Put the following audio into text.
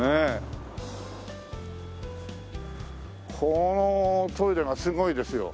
このトイレがすごいですよ。